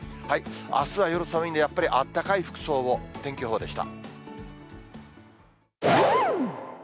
あすは夜寒いんで、やっぱりあったかい服装を、天気予報でした。